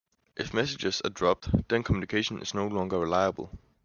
If messages are dropped, then communication is no longer reliable.